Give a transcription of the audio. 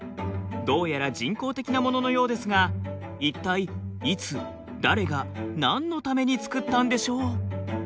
どうやら人工的なもののようですが一体いつ誰が何のために作ったんでしょう？